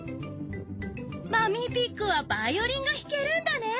マミーピッグはバイオリンがひけるんだね。